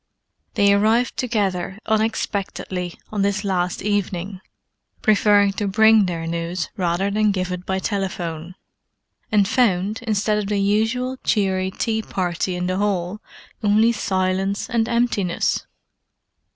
They arrived together unexpectedly on this last evening, preferring to bring their news rather than give it by telephone; and found, instead of the usual cheery tea party in the hall, only silence and emptiness.